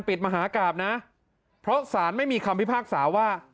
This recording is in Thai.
ปิดมหากราบนะเพราะสารไม่มีคำพิพากษาว่า